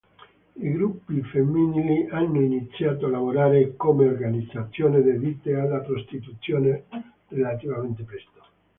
I gruppi femminili hanno iniziato a lavorare come organizzazioni dedite alla prostituzione relativamente presto.